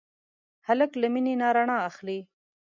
هلک له مینې نه رڼا اخلي.